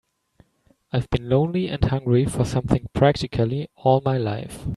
I've been lonely and hungry for something practically all my life.